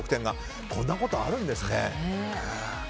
こんなことあるんですね。